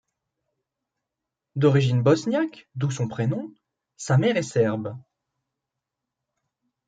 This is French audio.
D'origine bosniaque, d'où son prénom, sa mère est serbe.